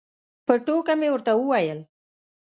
په ټوکه مې ورته وویل.